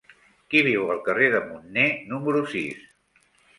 Qui viu al carrer de Munné número sis?